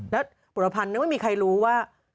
แล้วบริษฐภัณฑ์นี่ไม่มีใครรู้ว่า